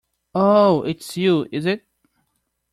Oh, it's you, is it?